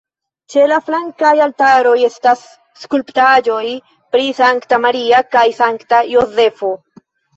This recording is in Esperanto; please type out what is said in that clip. Ĉe la flankaj altaroj estas skulptaĵoj pri Sankta Maria kaj Sankta Jozefo.